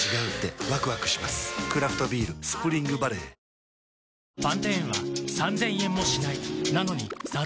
クラフトビール「スプリングバレー」じゃあ。